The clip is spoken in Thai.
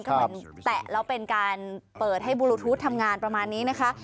ก็เหมือนแตะแล้วเป็นการเปิดให้บูลูทูธทำงานประมาณนี้นะคะ